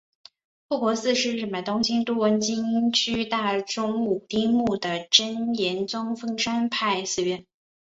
护国寺是日本东京都文京区大冢五丁目的真言宗丰山派寺院。